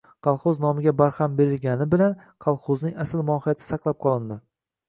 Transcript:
«Kolxoz» nomiga barham berilgani bilan, kolxozning asl mohiyati saqlab qolindi